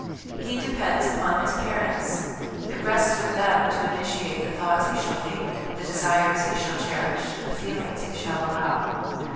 He depends upon his parents ; it rests with them to initiate the thoughts he shall think, the desires he shall cherish, the feelings he shall allow.